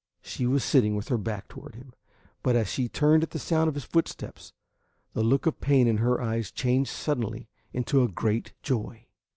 She was sitting with her back toward him, but as she turned at the sound of his footsteps, the look of pain in her eyes changed suddenly into a great joy.